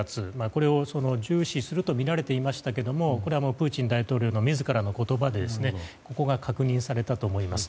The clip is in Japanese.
これを注視するとみられていましたけどもこれはプーチン大統領の自らの言葉でここが確認されたと思います。